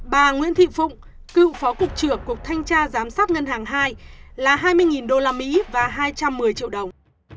bà nguyễn thị phụng cựu phó cục trưởng cục thanh tra giám sát ngân hàng hai là hai mươi đô la mỹ và hai trăm một mươi triệu đồng